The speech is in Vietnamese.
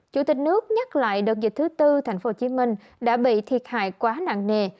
chủ tịch nước nhắc lại đợt dịch thứ tư tp hcm đã bị thiệt hại quá nặng nề